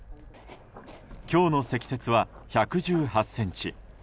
今日の積雪は１１８ｃｍ。